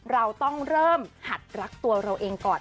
เราต้องเริ่มหัดรักตัวเราเองก่อน